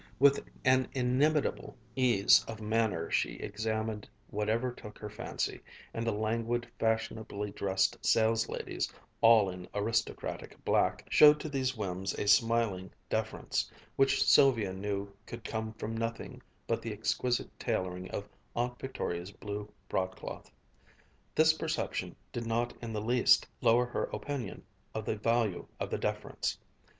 With an inimitable ease of manner she examined whatever took her fancy, and the languid, fashionably dressed salesladies, all in aristocratic black, showed to these whims a smiling deference, which Sylvia knew could come from nothing but the exquisite tailoring of Aunt Victoria's blue broadcloth. This perception did not in the least lower her opinion of the value of the deference.